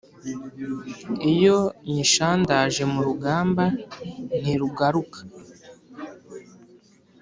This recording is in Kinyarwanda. iyo nyishandaje mu rugamba ntirugaruka,